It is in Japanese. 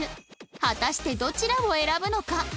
果たしてどちらを選ぶのか？